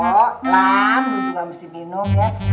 kok lam itu gak mesti minum ya